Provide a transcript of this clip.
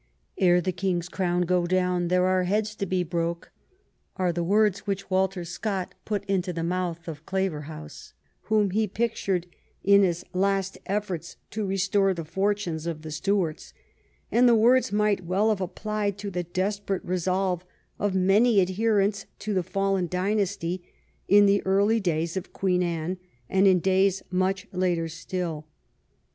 " Ere the king^s crown go down there are heads to be broke," are the words which Walter Scott put into the mouth of Claverhouse, whom he pict ured in his last efforts to restore the fortunes of the Stuarts, and the words might well have applied to the desperate resolve of many adherents to the fallen dy nasty in the early days of Queen Anne and in days much later still.